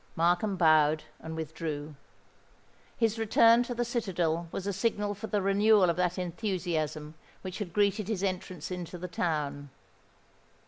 Markham bowed, and withdrew. His return to the citadel was a signal for the renewal of that enthusiasm which had greeted his entrance into the town.